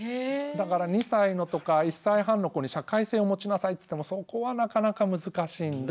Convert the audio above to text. だから２歳とか１歳半の子に社会性を持ちなさいって言ってもそこはなかなか難しいんで。